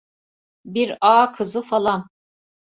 Bir ağa kızı falan…